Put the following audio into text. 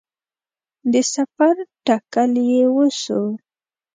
د سفر تکل یې وسو